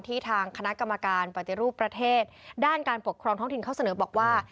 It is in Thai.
ทางคณะกรรมการปฏิรูปประเทศด้านการปกครองท้องถิ่นเขาเสนอบอกว่า